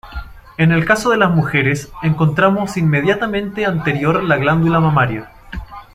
En el caso de las mujeres, encontramos inmediatamente anterior la glándula mamaria.